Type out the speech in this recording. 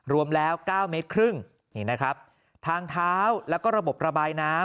รวมแล้วเก้าเมตรครึ่งนี่นะครับทางเท้าแล้วก็ระบบระบายน้ำ